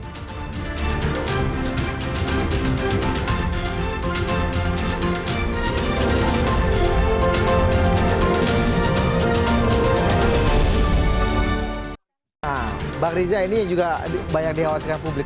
nah bang riza ini juga banyak dikhawatirkan publik